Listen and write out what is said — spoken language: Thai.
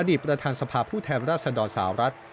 อดีตประธานสภาพผู้แทนราชดรสหรัฐ